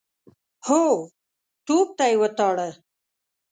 هو، توپ ته يې وتاړه.